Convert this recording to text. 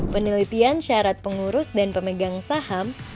penelitian syarat pengurus dan pemegang saham